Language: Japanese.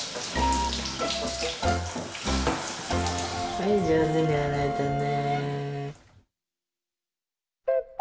・はいじょうずにあらえたね。